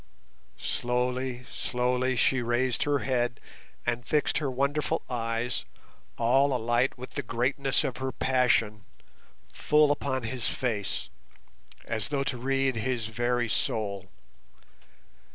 Slowly, slowly she raised her head, and fixed her wonderful eyes, all alight with the greatness of her passion, full upon his face, as though to read his very soul.